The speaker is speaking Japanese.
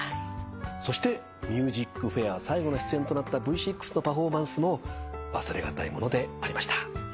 そして『ＭＵＳＩＣＦＡＩＲ』最後の出演となったＶ６のパフォーマンスも忘れ難いものでありました。